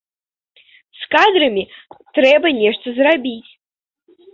З кадрамі трэба нешта зрабіць.